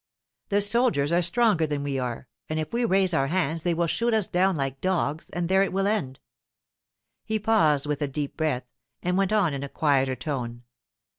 The soldiers are stronger than we are, and if we raise our hands they will shoot us down like dogs, and there it will end.' He paused with a deep breath, and went on in a quieter tone.